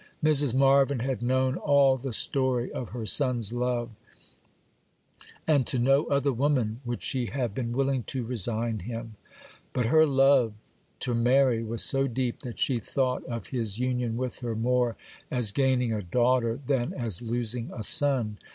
Mrs. Marvyn had known all the story of her son's love; and to no other woman would she have been willing to resign him: but her love to Mary was so deep, that she thought of his union with her more as gaining a daughter than as losing a son.